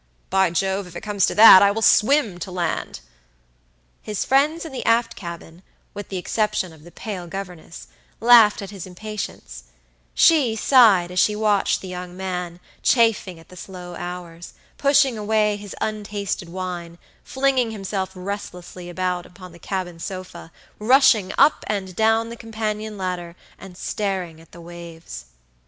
By Jove, if it comes to that, I will swim to land." His friends in the aft cabin, with the exception of the pale governess, laughed at his impatience; she sighed as she watched the young man, chafing at the slow hours, pushing away his untasted wine, flinging himself restlessly about upon the cabin sofa, rushing up and down the companion ladder, and staring at the waves.